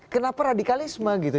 kenapa radikalisme gitu